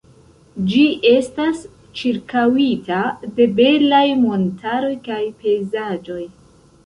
Ĝi estas ĉirkaŭita de belaj montaroj kaj pejzaĝoj.